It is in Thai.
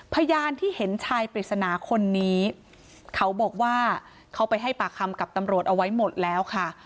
พยานที่เห็นชายปริศนาคนนี้เขาบอกว่าเขาไปให้ปากคำกับตำรวจเอาไว้หมดแล้วค่ะ